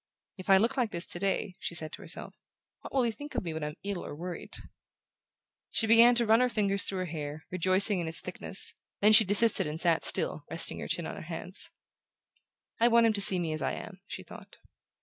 "If I look like this today," she said to herself, "what will he think of me when I'm ill or worried?" She began to run her fingers through her hair, rejoicing in its thickness; then she desisted and sat still, resting her chin on her hands. "I want him to see me as I am," she thought.